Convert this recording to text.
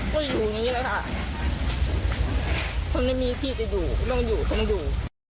เพราะไม่มีที่จะอยู่ต้องอยู่เพราะมันอยู่